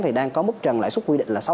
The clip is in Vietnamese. thì đang có mức trần lãi suất quy định là sáu